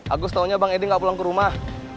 agus taunya bang eddy gak pulang ke rumah